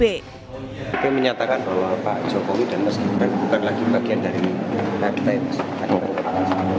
tapi menyatakan bahwa pak jokowi dan mas gibran bukan lagi bagian dari partai demokrat